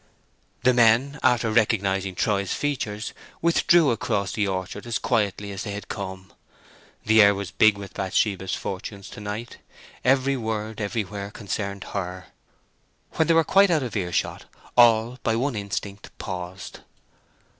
The men, after recognizing Troy's features, withdrew across the orchard as quietly as they had come. The air was big with Bathsheba's fortunes to night: every word everywhere concerned her. When they were quite out of earshot all by one instinct paused.